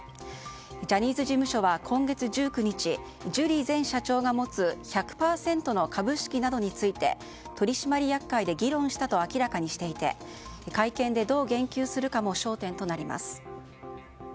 ジャニーズ事務所は今月１９日ジュリー前社長が持つ１００％の株式などについて取締役会で議論したと明らかにしていて会見でどう言及するかも焦点となります。